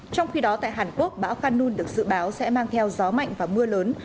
trong khi đó tại hàn quốc bão khanun được dự báo sẽ mang theo gió mạnh và mưa lớn